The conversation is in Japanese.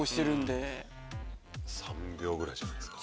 ３秒ぐらいじゃないですか。